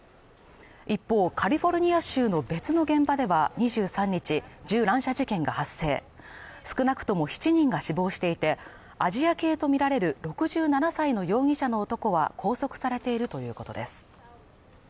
一方カリフォルニア州の別の現場では２３日銃乱射事件が発生少なくとも７人が死亡していてアジア系と見られる６７歳の容疑者の男は拘束されているということです